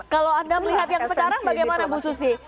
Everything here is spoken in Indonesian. kalau anda melihat yang sekarang bagaimana bu susi